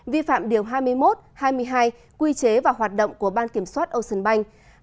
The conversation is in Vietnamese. vi phạm điều hai mươi một hai mươi hai quy chế và hoạt động của ban kiểm soát ocean bank